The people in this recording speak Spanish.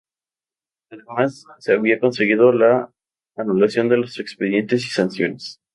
Además se había conseguido la anulación de los expedientes y sanciones.